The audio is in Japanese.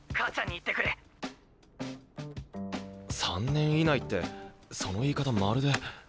３年以内ってその言い方まるで。